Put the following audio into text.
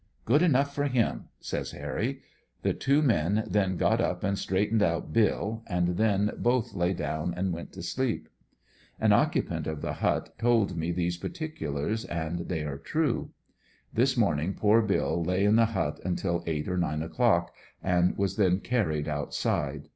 ''Good enough for him," says Hirry. The two men then got up and straightened out ''Bill," and then both lay down and went to sleep. An occupant of the hut told me these particulars and they are true. This morning poor Bill lay in the hut until eight or nine o'clock, and was then carried outside.